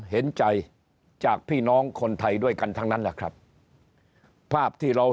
เห็นใจจากพี่น้องคนไทยด้วยกันทั้งนั้นแหละครับภาพที่เรา